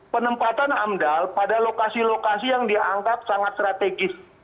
penempatan amdal pada lokasi lokasi yang dianggap sangat strategis